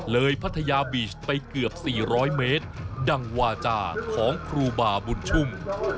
พัทยาบีชไปเกือบ๔๐๐เมตรดังวาจาของครูบาบุญชุ่ม